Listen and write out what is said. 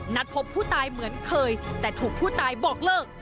พบผู้ตายเหมือนเคยแต่ถูกผู้ตายบอกเลิก